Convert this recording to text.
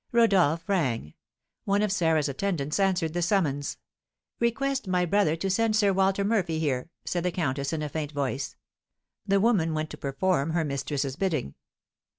Rodolph rang; one of Sarah's attendants answered the summons. "Request my brother to send Sir Walter Murphy here," said the countess, in a faint voice. The woman went to perform her mistress's bidding.